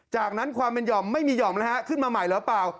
จากนั้นความเป็นห่อมไม่มีห่อมนะฮะขึ้นมาใหม่หรือเปล่า